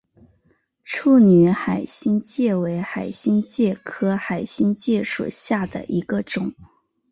处女海星介为海星介科海星介属下的一个种。